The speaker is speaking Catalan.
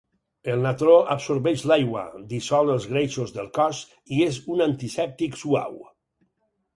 El natró absorbeix l'aigua, dissol els greixos del cos i és un antisèptic suau.